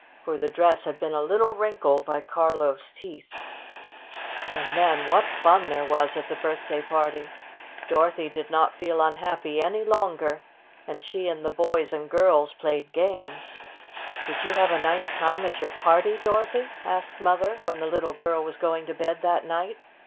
For the dress had been a little wrinkled by Carlo's teeth. 78 STORY OP A SAWDUST DOLL And then what fun there was at the birthday party ! Dorothy did not feel un happy any longer, and she and the boys and girls played games. "Did you have a nice time at your party, Dorothy?" asked Mother, when the little girl was going to bed that night.